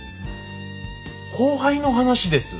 後輩の話です！